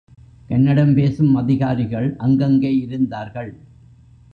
கன்னடம் பேசும் அதிகாரிகள் அங்கங்கே இருந்தார்கள்.